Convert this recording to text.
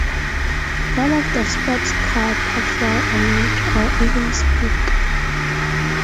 None of the Sports Car Patrol are named or even speak.